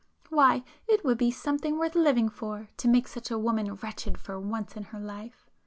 Why it would be something worth living for, to make such a woman wretched for once in her life!